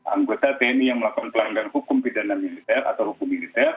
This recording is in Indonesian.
anggota tni yang melakukan pelanggaran hukum pidana militer atau hukum militer